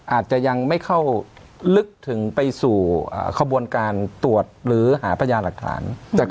อาจจะยังไม่เข้าลึกถึงไปสู่ขบวนการตรวจหรือหาพยานหลักฐาน